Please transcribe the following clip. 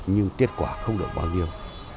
nhưng kết quả không được bao nhiêu